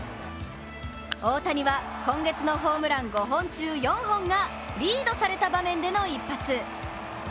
大谷は、今月のホームラン５本中４本がリードされた場面での一発。